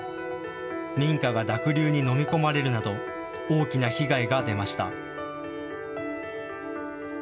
民家が濁流にのみ込まれるなど大きな被害が出ました。